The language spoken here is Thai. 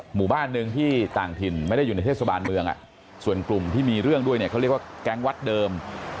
หมู่บ้านหนึ่งที่ต่างถิ่นไม่ได้อยู่ในเทศบาลเมืองส่วนกลุ่มที่มีเรื่องด้วยเนี่ยเขาเรียกว่าแก๊งวัดเดิม